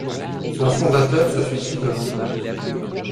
Son fondateur se suicide le lendemain.